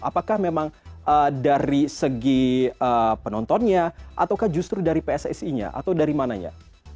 apakah memang dari segi penontonnya ataukah justru dari pssi nya atau dari mananya